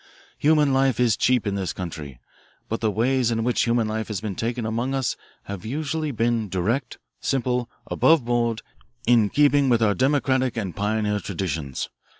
Human life is cheap in this country; but the ways in which human life has been taken among us have usually been direct, simple, aboveboard, in keeping with our democratic and pioneer traditions.